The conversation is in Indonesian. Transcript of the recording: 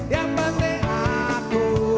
yang penting aku